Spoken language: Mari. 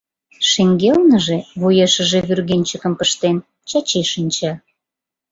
Шеҥгелныже, вуешыже вӱргенчыкым пыштен, Чачи шинча.